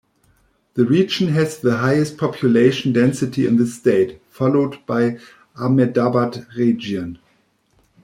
The region has the highest population density in the State, followed by Ahmedabad region.